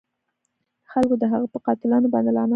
خلکو د هغه په قاتلانو باندې لعنت وایه.